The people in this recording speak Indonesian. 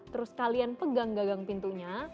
terus kalian pegang gagang pintunya